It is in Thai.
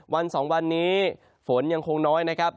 วันสองวันนี้ฝนยังคงน้อยนะครับ